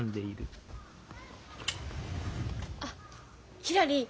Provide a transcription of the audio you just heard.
あひらり